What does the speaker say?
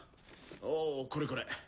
おこれこれ。